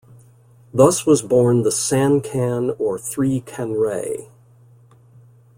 Thus was born the "San-Kan" or Three "Kanrei".